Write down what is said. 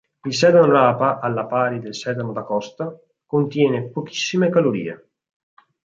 Il sedano rapa, alla pari del sedano da costa, contiene pochissime calorie.